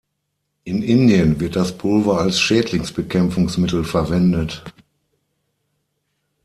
In Indien wird das Pulver als Schädlingsbekämpfungsmittel verwendet.